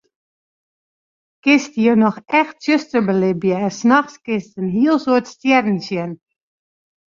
Kinst hjir noch echt tsjuster belibje en nachts kinst in hiel soad stjerren sjen.